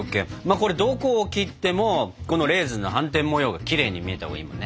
これどこを切ってもこのレーズンの斑点模様がきれいに見えたほうがいいもんね。